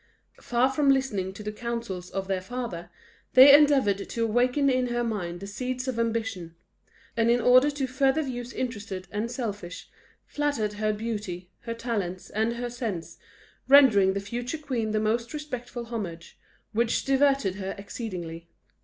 Far from listening to the counsels of their father, they endeavoured to awaken in her mind the seeds of ambition; and in order to further views interested and selfish, flattered her beauty, her talents, and her sense, rendering the future queen the most respectful homage, which diverted her exceedingly.